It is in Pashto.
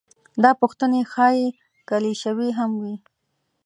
دا پوښتنې ښايي کلیشوي هم وي.